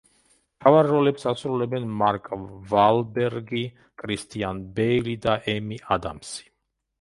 მთავარ როლებს ასრულებენ მარკ ვალბერგი, კრისტიან ბეილი და ემი ადამსი.